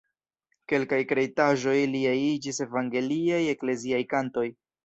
Kelkaj kreitaĵoj liaj iĝis evangeliaj ekleziaj kantoj.